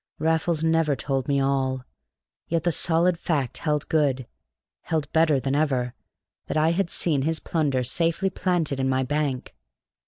Raffles never told me all. Yet the solid fact held good held better than ever that I had seen his plunder safely planted in my bank.